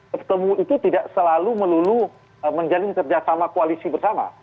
ketemu itu tidak selalu melulu menjalin kerjasama koalisi bersama